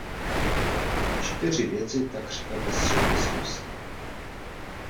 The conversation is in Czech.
Čtyři věci takřka bez souvislosti.